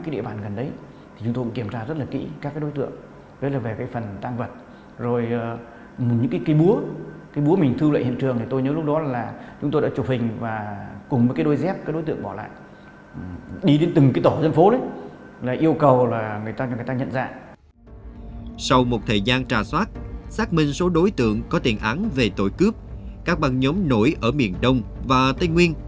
sau một thời gian trà soát xác minh số đối tượng có thiện án về tội cướp các băng nhóm nổi ở miền đông và tây nguyên